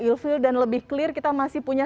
ill feel dan lebih clear kita masih punya